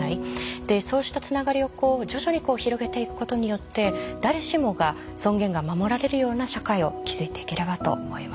でそうしたつながりを徐々に広げていくことによって誰しもが尊厳が守られるような社会を築いていければと思います。